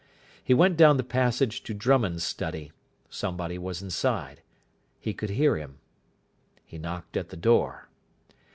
He went down the passage to Drummond's study. Somebody was inside. He could hear him. He knocked at the door.